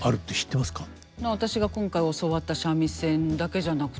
私が今回教わった三味線だけじゃなくて。